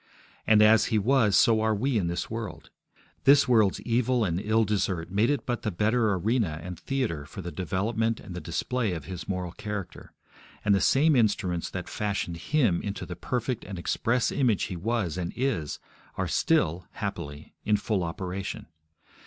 And, as He was, so are we in this world. This world's evil and ill desert made it but the better arena and theatre for the development and the display of His moral character; and the same instruments that fashioned Him into the perfect and express image He was and is, are still, happily, in full operation.